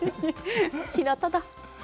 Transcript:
ひなただ。